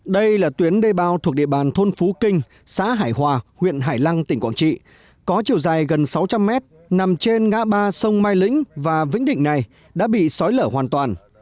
đây là tuyến đê bao thuộc địa bàn thôn phú kinh xã hải hòa huyện hải lăng tỉnh quảng trị có chiều dài gần sáu trăm linh mét nằm trên ngã ba sông mai lĩnh và vĩnh định này đã bị sói lở hoàn toàn